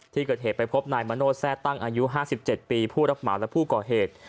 ที่เกิดเหตุไปพบนายมโนธแทร่ตั้งอายุ๕๗ปีผู้รับเหมาและผู้ก่อเหตุ